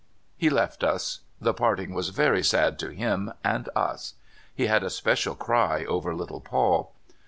He left us. The parting was very sad to him and us. He had a special cry over Httle Paul.